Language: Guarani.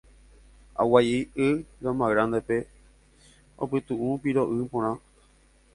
Aguaiʼy Loma Grandepe opytuʼu piroʼy porã.